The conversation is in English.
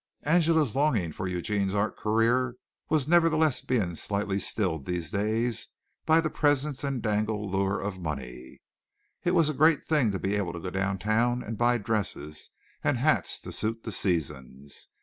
Angela's longing for Eugene's art career was nevertheless being slightly stilled these days by the presence and dangled lure of money. It was a great thing to be able to go downtown and buy dresses and hats to suit the seasons.